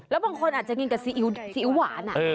แล้วบางคนอาจจะกินกับซีอิ๊วซีอิ๊วหวาน